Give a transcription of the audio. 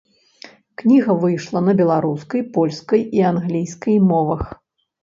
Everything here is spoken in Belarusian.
Кніга выйшла на беларускай, польскай і англійскай мовах.